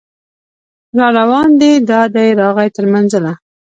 راروان دی دا دی راغی تر منزله